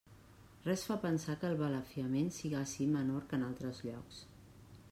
Res fa pensar que el balafiament siga ací menor que en altres llocs.